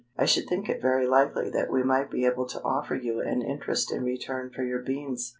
I should think it very likely that we might be able to offer you an interest in return for your beans.